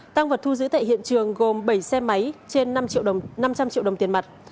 tăng vật thu giữ tại hiện trường gồm bảy xe máy trên năm trăm linh triệu đồng tiền mặt